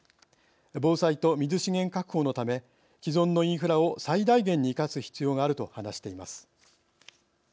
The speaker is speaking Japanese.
防災と水資源確保のため既存のインフラを最低限に生かす必要があると話しています。